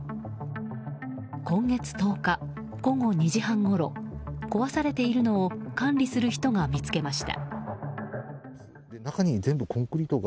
今月１０日、午後２時半ごろ壊されているのを管理する人が見つけました。